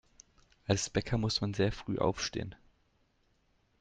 Als Bäcker muss man sehr früh aufstehen.